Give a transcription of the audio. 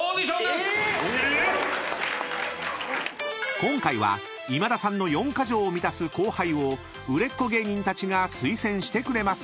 ［今回は今田さんの４ヶ条を満たす後輩を売れっ子芸人たちが推薦してくれます］